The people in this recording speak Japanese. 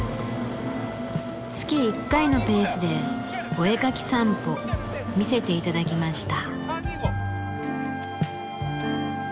月１回のペースでお絵かき散歩見せて頂きました。